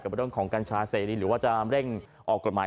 เรื่องของกัญชาเสรีหรือว่าจะเร่งออกกฎหมาย